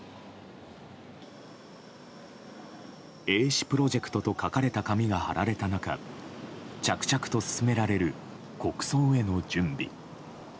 「Ａ氏プロジェクト」と書かれた紙が貼られた中着々と進められる国葬への準備。